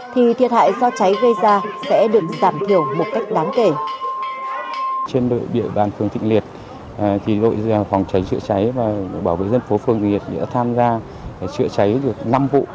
thì thiệt hại do cháy gây ra